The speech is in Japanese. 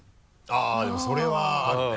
あぁでもそれはあるね